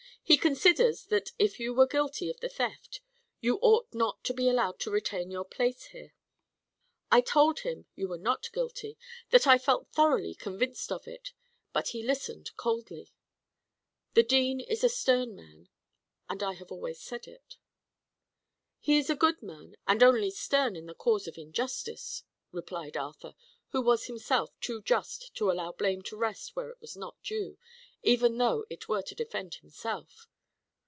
"He considers that if you were guilty of the theft, you ought not to be allowed to retain your place here. I told him you were not guilty that I felt thoroughly convinced of it; but he listened coldly. The dean is a stern man, and I have always said it." "He is a good man, and only stern in the cause of injustice," replied Arthur, who was himself too just to allow blame to rest where it was not due, even though it were to defend himself.